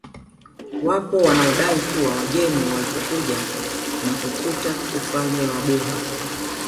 Wapo wanaodai kuwa wageni walipokuja na kukuta ufalme wa Buha